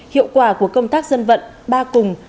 hiệu quả của công tác dân vận ba cùng